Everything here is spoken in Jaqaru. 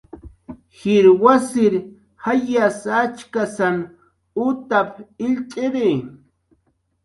"Jir wasir jayas achkasan utap"" illt'iri"